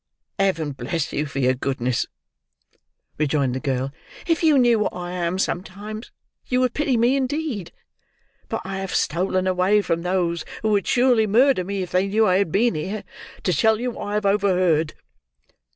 "Heaven bless you for your goodness!" rejoined the girl. "If you knew what I am sometimes, you would pity me, indeed. But I have stolen away from those who would surely murder me, if they knew I had been here, to tell you what I have overheard.